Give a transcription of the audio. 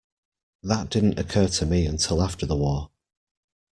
That didn't occur to me until after the war.